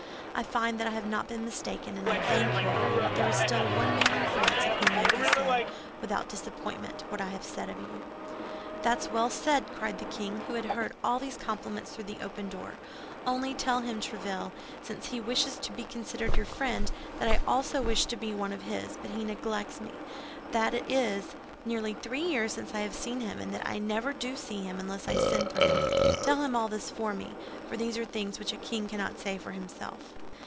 I find that I have not been mistaken, and I thank you that there is still one man in France of whom may be said, without disappointment, what I have said of you." "That's well said," cried the king, who had heard all these compliments through the open door; "only tell him, Tréville, since he wishes to be considered your friend, that I also wish to be one of his, but he neglects me; that it is nearly three years since I have seen him, and that I never do see him unless I send for him. Tell him all this for me, for these are things which a king cannot say for himself."